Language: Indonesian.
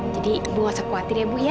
jadi ibu nggak usah khawatir ya bu ya